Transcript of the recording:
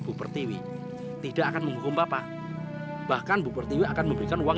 saya harus berbohong